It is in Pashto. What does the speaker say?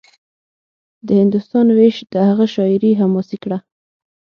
د هندوستان وېش د هغه شاعري حماسي کړه